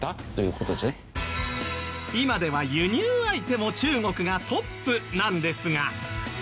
今では輸入相手も中国がトップなんですが。